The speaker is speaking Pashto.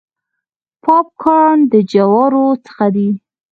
پاپ کارن د جوارو څخه دی.